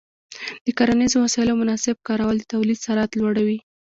د کرنیزو وسایلو مناسب کارول د تولید سرعت لوړوي.